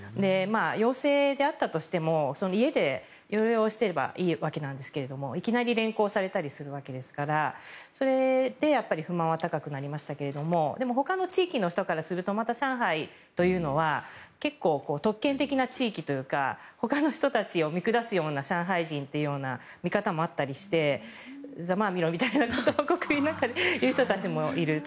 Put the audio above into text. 陽性であったとしても家で療養していればいいわけなんですがいきなり連行されたりするわけですからそれで不満は高くなりましたけどでもほかの地域の人からするとまた上海というのは結構、特権的な地域というかほかの人たちを見下すような上海人というような見方もあったりしてざまあみろということを心の中で言う人たちもいる。